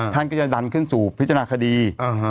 ท่านก็จะดันขึ้นสู่พิจารณาคดี